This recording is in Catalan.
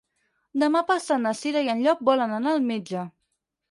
Demà passat na Cira i en Llop volen anar al metge.